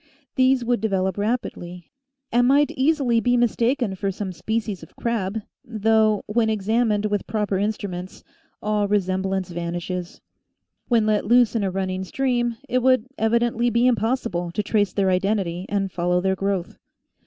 These would develop rapidly and might easily be mistaken for some species of crab, though, when examined with proper instruments, all resemblance vanishes. When let loose in a running stream it would evidently be impossible to trace their identity and follow their growth.